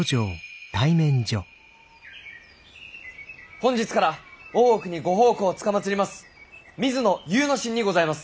本日から大奥にご奉公つかまつります